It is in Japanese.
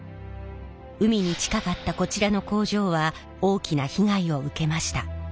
海に近かったこちらの工場は大きな被害を受けました。